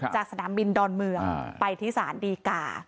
จากสนามบินดอนเมืองไปที่ศาลดีกา